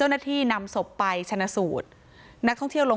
คือตอนที่พบศพค่ะคือตอนที่พบศพค่ะคือตอนที่พบศพค่ะ